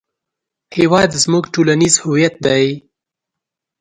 هېواد زموږ ټولنیز هویت دی